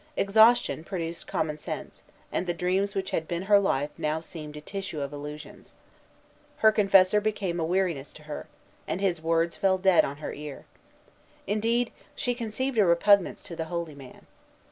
Exhaustion produced common sense, and the dreams which had been her life now seemed a tissue of illusions. Her confessor became a weariness to her, and his words fell dead on her ear. Indeed, she conceived a repugnance to the holy man.